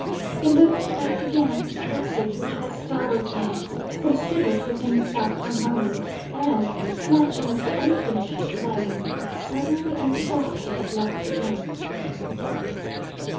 He looked back again at the passage which had startled him considered with himself for a moment and, snatching up the unfinished play, suddenly and softly left the room.